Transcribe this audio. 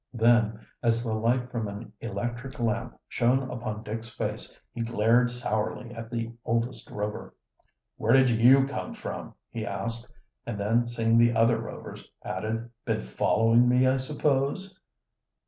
Then, as the light from an electric lamp shone upon Dick's face, he glared sourly at the oldest Rover. "Where did you come from?" he asked, and then, seeing the other Rovers, added: "Been following me, I suppose?"